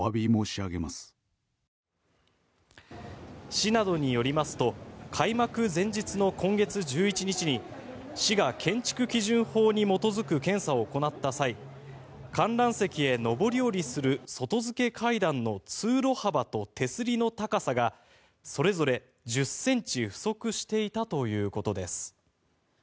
市などによりますと開幕前日の今月１１日に市が建築基準法に基づく検査を行った際観覧席へ上り下りする外付け階段の通路幅と手すりの高さがそれぞれ１０ｃｍ不足していたということです。